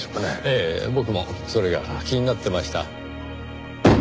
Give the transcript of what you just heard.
ええ僕もそれが気になってました。